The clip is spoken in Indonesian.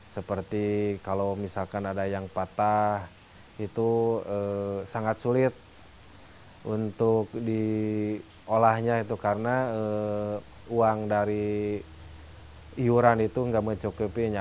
seperti kalau misalkan ada yang patah itu sangat sulit untuk diolahnya itu karena uang dari iuran itu nggak mencukupinya